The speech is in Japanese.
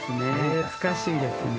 懐かしいですね。